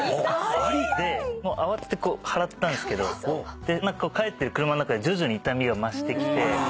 慌てて払ったんですけど帰ってる車の中で徐々に痛みが増してきて。